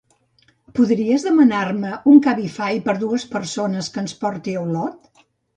Podries demanar-me un Cabify per dues persones que ens porti a Olot?